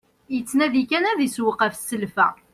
Yettnadi kan ad isewweq ɣef selfa.